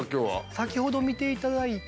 先ほど見ていただいた